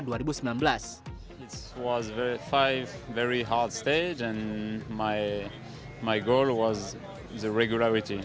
di lima tanjakan yang sangat sukar tujuan saya adalah regularitas